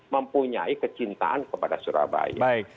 mempunyai kecintaan kepada surabaya